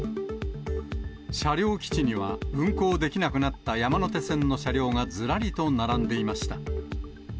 車両基地には、運行できなくなった山手線の車両がずらりと並んでいました。